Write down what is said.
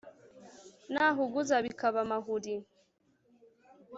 nahuguza bikaba amahuri